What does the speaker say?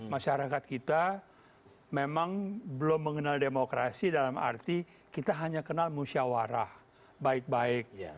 masyarakat kita memang belum mengenal demokrasi dalam arti kita hanya kenal musyawarah baik baik